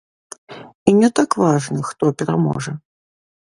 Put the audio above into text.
І не так важна, хто пераможа.